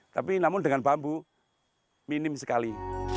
tapi namun dengan bambu minim sekali